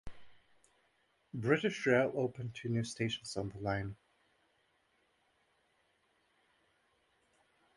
British Rail opened two new stations on the line.